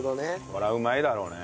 これはうまいだろうね。